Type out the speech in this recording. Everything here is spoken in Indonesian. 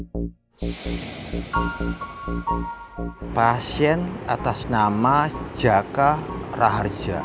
pasien atas nama jaka raharja